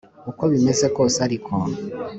Uko bimeze kose ariko,